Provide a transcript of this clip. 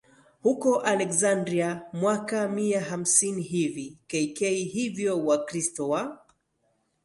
huko Aleksandria mwaka mia hamsini hivi K K Hivyo Wakristo wa